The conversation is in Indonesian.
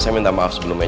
saya minta maaf sebelumnya